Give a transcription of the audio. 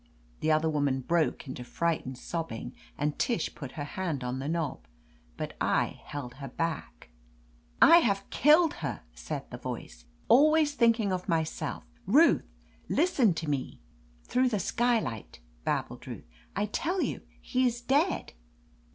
The other woman broke into frightened sob bing, and Tish put her hand on the knob. But I held her back. 8i THE AMAZING ADVENTURES "I have killed her!" said the voice. "Al ways thinking of myself I Ruth! Listen to pe!" ' "Through the skylight!" babbled Ruth. "I tell you, he is dead